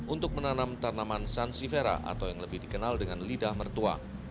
untuk menanam tanaman sansifera atau yang lebih dikenal dengan lidah mertua